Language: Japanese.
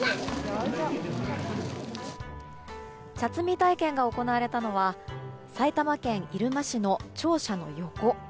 茶摘み体験が行われたのは埼玉県入間市の庁舎の横。